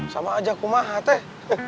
sama aja kumaha teh